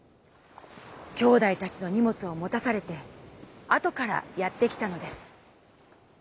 兄弟たちのにもつをもたされてあとからやって来たのです。